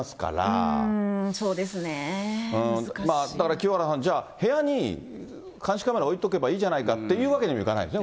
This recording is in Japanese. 清原さん、じゃあ部屋に監視カメラ置いておけばいいじゃないかというわけにもいかないですよね。